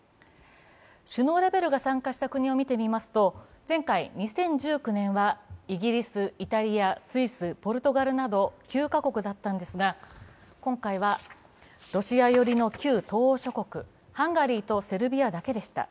首脳レベルが参加した国を見てみますと前回２０１９年はイギリス、イタリア、スイス、ポルトガルなど９か国だったのですが、今回はロシア寄りの旧東欧諸国、ハンガリーとセルビアだけでした。